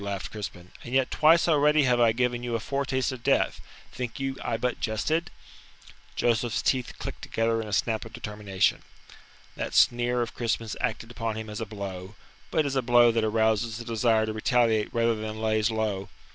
laughed Crispin, "and yet twice already have I given you a foretaste of death. Think you I but jested?" Joseph's teeth clicked together in a snap of determination. That sneer of Crispin's acted upon him as a blow but as a blow that arouses the desire to retaliate rather than lays low.